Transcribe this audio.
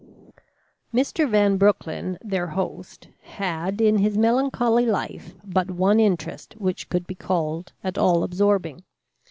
Mr. Van Broecklyn, their host, had in his melancholy life but one interest which could be called at all absorbing.